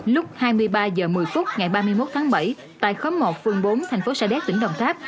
lúc hai mươi ba h một mươi phút ngày ba mươi một tháng bảy tại khóm một phường bốn thành phố sa đéc tỉnh đồng tháp